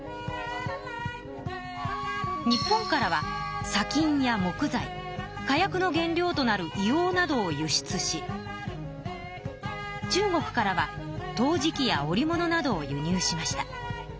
日本からはさ金や木材火薬の原料となる硫黄などを輸出し中国からは陶磁器や織物などを輸入しました。